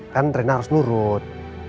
kan rena harus nurut